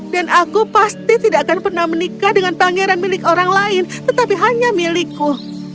dan aku pasti tidak akan pernah menikah dengan pangeran milik orang lain tetapi hanya milikku